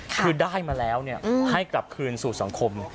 คือได้มาแล้วให้กลับคืนสู่สังคม